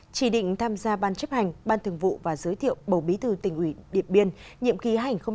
chỉ định tham gia ban chấp hành ban thường vụ và giới thiệu bầu bí thư tỉnh ủy điệp biên nhiệm ký hai nghìn hai mươi hai nghìn hai mươi năm